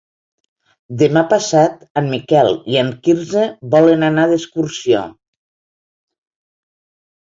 Demà passat en Miquel i en Quirze volen anar d'excursió.